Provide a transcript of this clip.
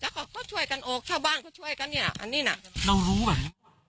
จ๊ะแล้วเขาก็ช่วยกันโอ้ชาวบ้านก็ช่วยกันเนี้ยอันนี้น่ะเรารู้แบบนี้